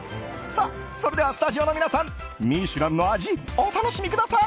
それでは、スタジオの皆さん「ミシュラン」の味お楽しみください！